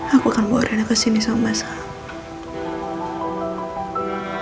aku akan bawa rina ke sini sama mbak salam